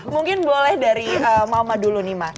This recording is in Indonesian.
mungkin boleh dari mama dulu nih mas